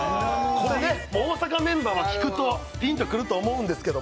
これね、大阪メンバーはピンとくると思うんですけど。